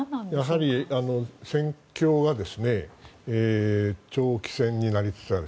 やはり戦況が長期戦になりつつある